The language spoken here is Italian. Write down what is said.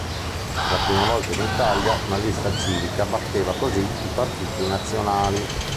Per la prima volta in Italia una lista civica batteva così i partiti nazionali.